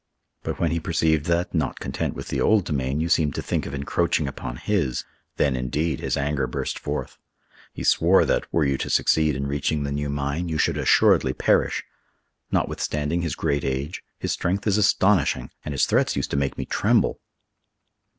But when he perceived that, not content with the old domain, you seemed to think of encroaching upon his, then indeed his anger burst forth. He swore that, were you to succeed in reaching the new mine, you should assuredly perish. Notwithstanding his great age, his strength is astonishing, and his threats used to make me tremble."